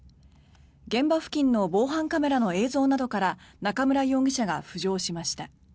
現場付近の防犯カメラの映像などから中村容疑者が浮上しました。